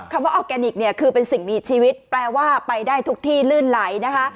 คำว่าออร์แกนิคเนี่ยคือเป็นสิ่งมีชีวิตแปลว่าไปได้ทุกที่ลื่นไหลนะคะ